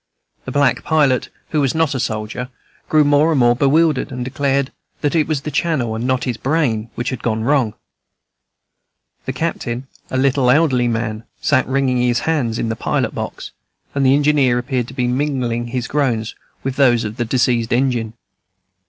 The black pilot, who was not a soldier, grew more and more bewildered, and declared that it was the channel, not his brain, which had gone wrong; the captain, a little elderly man, sat wringing his hands in the pilot box; and the engineer appeared to be mingling his groans with those of the diseased engine.